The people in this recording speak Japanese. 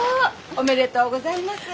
おめでとうございます。